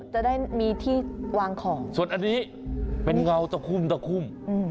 จะได้มีที่วางของส่วนอันนี้เป็นเงาตะคุ่มตะคุ่ม